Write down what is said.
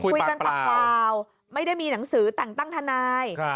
คุยกันปากปลาวไม่ได้มีหนังสือแต่งตั้งทนาย